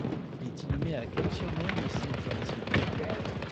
Il est inhumé à Cagnes-sur-Mer au cimetière ancien.